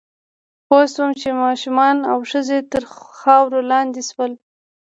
پوه شوم چې ماشومان او ښځې تر خاورو لاندې شول